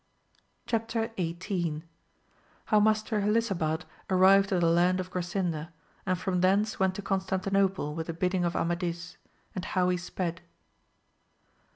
Chap. XVTII. — How Master Helisabad arrived at the land of Grasinda, and from thence went to Constantinople with the bidding of Amadis ; and how he sped.